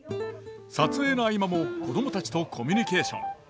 撮影の合間も子供たちとコミュニケーション。